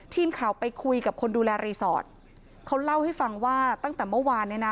ทีมข่าวไปคุยกับคนดูแลรีสอร์ทเขาเล่าให้ฟังว่าตั้งแต่เมื่อวานเนี่ยนะ